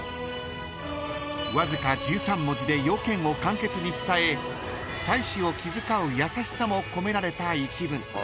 ［わずか１３文字で用件を簡潔に伝え妻子を気遣う優しさも込められた一文］